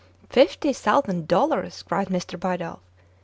" Fifty thousand dollars !" cried Mr. Bidulph.